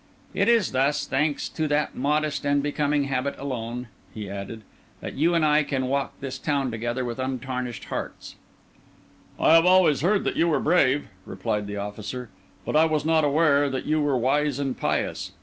It is thus, thanks to that modest and becoming habit alone," he added, "that you and I can walk this town together with untarnished hearts." "I had always heard that you were brave," replied the officer, "but I was not aware that you were wise and pious.